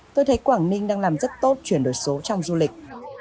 tôi thấy quảng ninh đang làm rất tốt chuyển đổi số trong du lịch